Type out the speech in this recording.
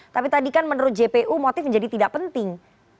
tapi tadi kan menurut jpu motif menjadi tidak penting